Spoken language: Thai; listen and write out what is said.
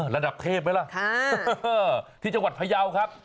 ระดับเทพไหมล่ะที่จังหวัดพยาวครับ